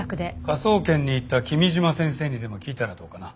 科捜研に行った君嶋先生にでも聞いたらどうかな？